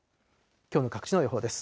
きょうの各地の予報です。